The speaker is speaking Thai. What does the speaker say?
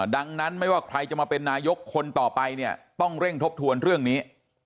ดังนั้นไม่ว่าใครจะมาเป็นนายกคนต่อไปเนี่ยต้องเร่งทบทวนเรื่องนี้